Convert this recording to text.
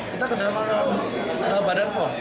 kita ketahui badan poh